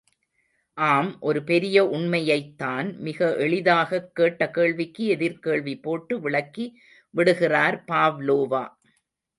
ஆம், ஒரு பெரிய உண்மையைத்தான் மிக எளிதாகக் கேட்ட கேள்விக்கு எதிர்க் கேள்வி போட்டு விளக்கி விடுகிறார் பாவ்லோவா.